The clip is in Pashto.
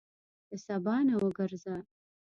له سبا نه وګرځه.